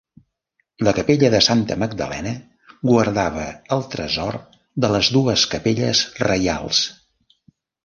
La capella de Santa Magdalena guardava el tresor de les dues capelles reials.